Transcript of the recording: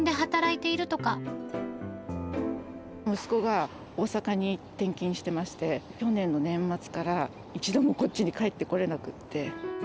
息子が大阪に転勤してまして、去年の年末から一度もこっちに帰ってこれなくて。